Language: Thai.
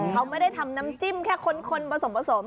เขาไม่ได้ทำน้ำจิ้มแค่คนผสมผสม